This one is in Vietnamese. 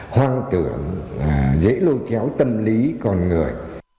hoang tượng dễ lôi kéo tâm lý con người